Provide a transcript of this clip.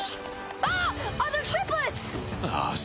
あっ！